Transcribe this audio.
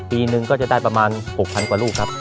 ปีหนึ่งก็จะได้ประมาณ๖๐๐กว่าลูกครับ